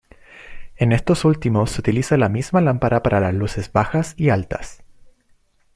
En estos últimos se utiliza la misma lámpara para las luces bajas y altas.